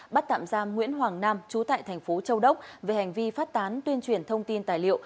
bắt tạm giam nguyễn hoàng nam trú tại thành phố châu đốc về hành vi phát tán tuyên truyền thông tin tài liệu